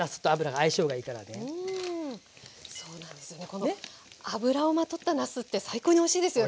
この油をまとったなすって最高においしいですよね。